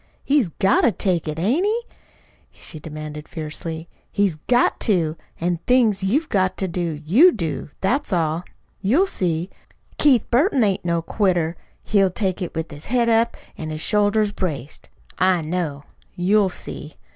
He's got to take it, hain't he?" she demanded fiercely. "He's GOT TO! An' things you've got to do, you do. That's all. You'll see. Keith Burton ain't no quitter. He'll take it with his head up an' his shoulders braced. I know. You'll see.